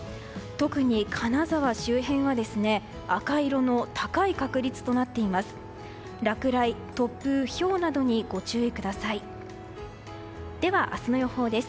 特に金沢周辺は赤色の高い確率となっています。